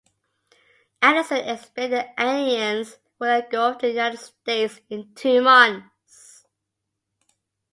Allison explains the aliens will engulf the United States in two months.